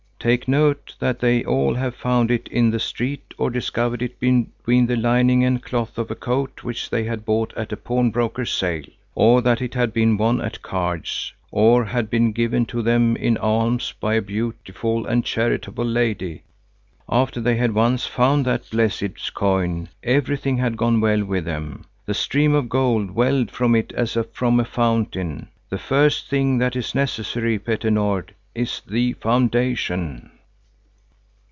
Take note that they all have found it in the street or discovered it between the lining and cloth of a coat which they had bought at a pawnbroker's sale; or that it had been won at cards, or had been given to them in alms by a beautiful and charitable lady. After they had once found that blessed coin, everything had gone well with them. The stream of gold welled from it as from a fountain. The first thing that is necessary, Petter Nord, is the foundation."